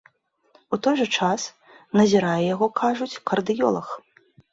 У той жа час, назірае яго, кажуць, кардыёлаг.